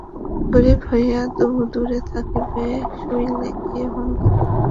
গরিব হইয়া তবু দূরে থাকিবে শৈলেন এই অহংকারটা কোনোমতেই সহিতে পারিল না।